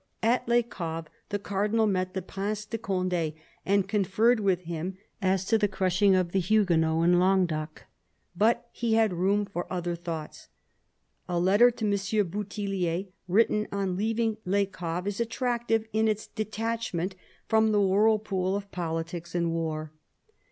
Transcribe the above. At Les Caves the Cardinal met the Prince de Conde, and conferred with him as to the crushing of the Huguenots in Languedoc. But he had room for other thoughts. A letter to M. Bou thiUier, written on leaving Les Caves, is attractive in its detachment from the whirlpool of politics and war.